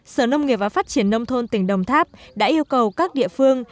sở nông nghiệp và phát triển nông thôn tỉnh đồng tháp đã yêu cầu các địa phương